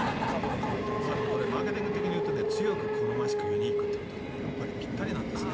マーケティングでいうと強く好ましくユニークっていうのでぴったりなんですね。